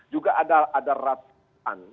juga ada ratusan